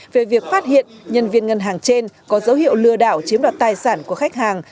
về việc phát hiện nhân viên ngân hàng trên có dấu hiệu lừa đảo chiếm đoạt tài sản của khách hàng